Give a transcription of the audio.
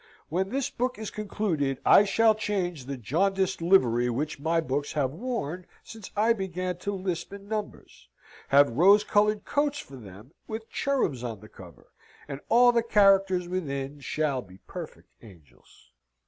When this book is concluded, I shall change the jaundiced livery which my books have worn since I began to lisp in numbers, have rose coloured coats for them with cherubs on the cover, and all the characters within shall be perfect angels.